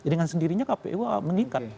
dengan sendirinya kpu mengikat